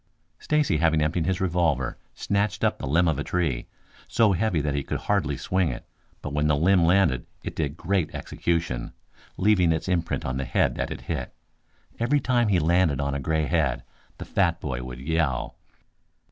Stacy having emptied his revolver snatched up the limb of a tree, so heavy that he could hardly swing it, but when the limb landed it did great execution, leaving its imprint on the head that it hit. Every time he landed on a gray head, the fat boy would yell.